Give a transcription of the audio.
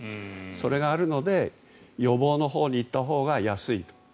それがあるので予防のほうに行ったほうが安いと。